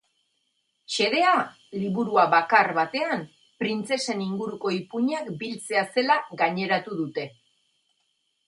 Xedea liburu bakar batean printzesen inguruko ipuinak biltzea zela gaineratu dute.